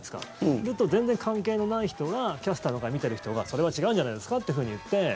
すると全然関係のない人が「キャスターな会」を見てる人がそれは違うんじゃないですかっていうふうに言って。